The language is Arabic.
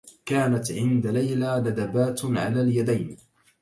كانت عند ليلى ندبات على اليدين.